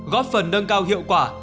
góp phần nâng cao hiệu quả